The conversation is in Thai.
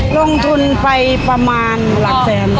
ลงทุนไปประมาณหลักแสน